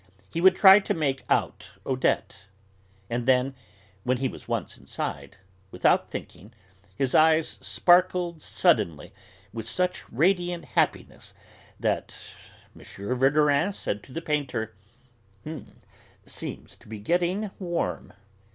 He would try to make out Odette. And then, when he was once inside, without thinking, his eyes sparkled suddenly with such radiant happiness that M. Verdurin said to the painter: "H'm. Seems to be getting warm."